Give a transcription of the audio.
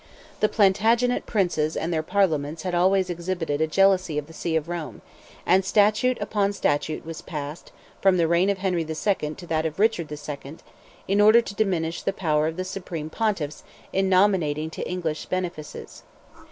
The Plantagenet princes and their Parliaments had always exhibited a jealousy of the See of Rome, and statute upon, statute was passed, from the reign of Henry II. to that of Richard II., in order to diminish the power of the Supreme Pontiffs in nominating to English benefices.